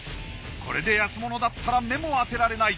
これで安物だったら目も当てられない。